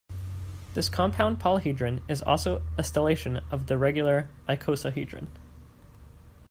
This compound polyhedron is also a stellation of the regular icosahedron.